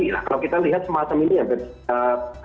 kalau kita lihat semacam ini yang terjadi